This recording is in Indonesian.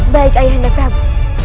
baik ayah anda prabu